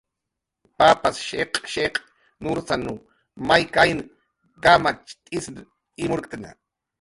Papas shiq'shiq' nursanw may kayn kamacht'isn imurktna.